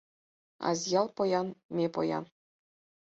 Азъял поян — ме поян